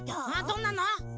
どんなの？